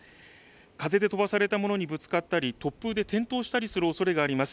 風で飛ばされたものにぶつかったり突風で転倒したりするおそれがあります。